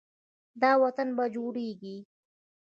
دا وطن به جوړیږي.